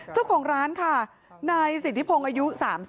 เจ้าของร้านค่ะนายสิทธิพงศ์อายุ๓๐